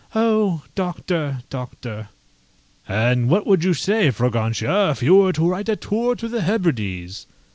Oh! Doctor, Doctor!" "And what would you say, Fragrantia, if you were to write a tour to the Hebrides?"